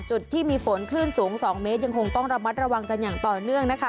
จุดที่มีฝนคลื่นสูง๒เมตรยังคงต้องระมัดระวังกันอย่างต่อเนื่องนะคะ